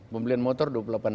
pembelian motor dua puluh delapan